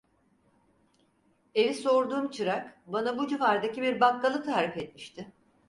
Evi sorduğum çırak bana bu civardaki bir bakkalı tarif etmişti.